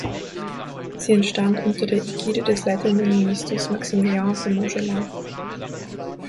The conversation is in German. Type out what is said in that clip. Sie entstand unter der Ägide des leitenden Ministers Maximilian von Montgelas.